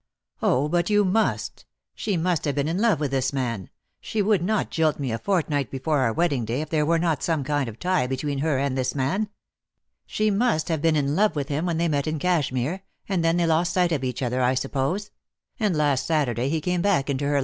"Oh, but you must. She must have been in love with this man. She would not jilt me a fort night before our wedding day if there were not some kmd of tie between her and this man. She must have been in love with him when they met in Cashmere — and then they lost sight of each other, I suppose; and last Saturday he came back into her DEAD LOVE HAS CHAINS.